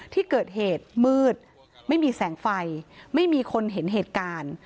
ที่เกิดเหตุมืดไม่มีแสงไฟไม่มีคนเห็นเหตุการณ์